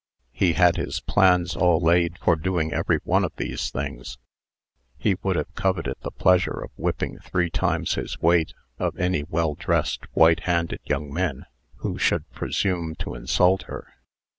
He had his plans all laid for doing every one of these things. He would have coveted the pleasure of whipping three times his weight of any well dressed, white handed young men, who should presume to insult her.